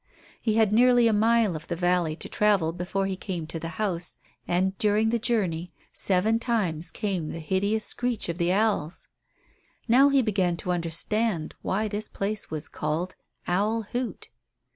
He had nearly a mile of the valley to travel before he came to the house, and, during the journey, seven times came the hideous screech of the owls. Now he began to understand why this place was called "Owl Hoot."